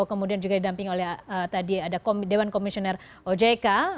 kemudian juga didamping oleh tadi ada dewan komisioner ojk